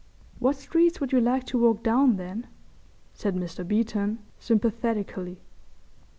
"What streets would you like to walk down, then?" said Mr. Beeton, sympathetically.